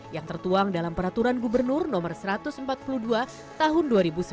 yang tertuang dalam peraturan gubernur no satu ratus empat puluh dua tahun dua ribu sembilan belas